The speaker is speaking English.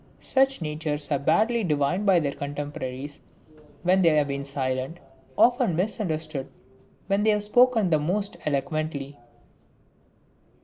Such natures are generally badly divined by their contemporaries when they have been silent, often misunderstood when they have spoken the most eloquently!